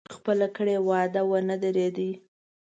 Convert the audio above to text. پر خپله کړې وعده ونه درېدی.